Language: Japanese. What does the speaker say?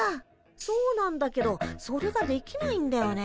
そうなんだけどそれができないんだよね。